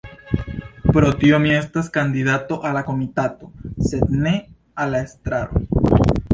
Pro tio mi estas kandidato al la komitato sed ne al la estraro.